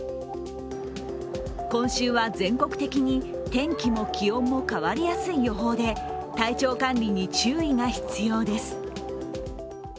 今週は全国的に天気も気温も変わりやすい予報で、体調管理に注意が必要です。